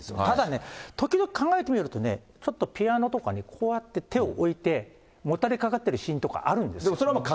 ただね、時々考えてみるとね、ちょっとピアノとかにこうやって手を置いて、もたれかかってるシーンとかあるんです。